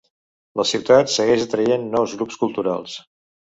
La ciutat segueix atraient nous grups culturals.